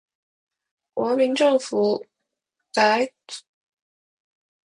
国民政府改组为中华民国政府。